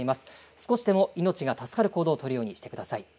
少しでも命が助かる行動を取るようにしてください。